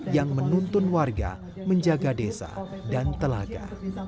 yang menuntun warga menjaga desa dan telaga